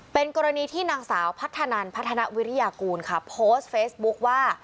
เป็นกรณีที่นางสาวพัฒนันพัฒนาวิริยากูลค่ะโพสต์เฟซบุ๊คว่า